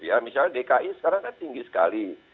ya misalnya dki sekarang kan tinggi sekali